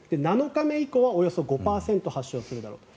７日目以降はおよそ５％発症するだろうと。